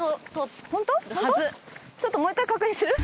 ちょっともう１回確認する？